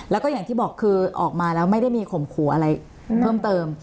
แล้วก็อย่างที่บอกคือออกมาแล้วไม่ได้มีข่มขู่อะไรเพิ่มเติม